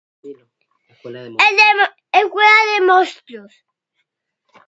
(Dilo... Escuela de mon...). El libro. Escuela de mostros.